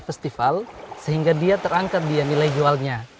festival sehingga dia terangkat dia nilai jualnya